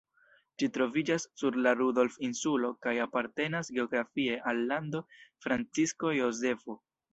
Ĝi troviĝas sur la Rudolf-insulo kaj apartenas geografie al Lando Francisko Jozefo.